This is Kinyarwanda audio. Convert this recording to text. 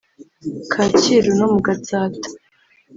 Kacyiru no mu Gatsata